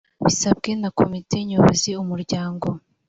bisabwe na komite nyobozi umuryango